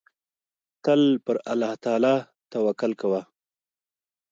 تل پر الله تعالی توکل کوه.